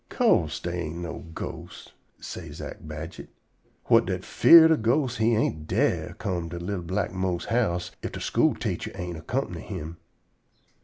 "'Co'se dey ain't no ghosts," say Zack Badget, whut dat 'feared ob ghosts he ain't dar' come to li'l black Mose's house ef de school teacher ain't ercompany him.